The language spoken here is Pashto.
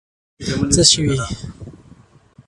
څه شوي؟